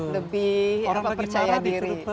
lebih percaya diri